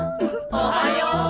おはよう！